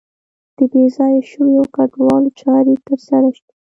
د بې ځایه شویو او کډوالو چارې تر سره شي.